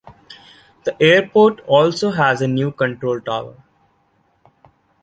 The airport also has a new control tower.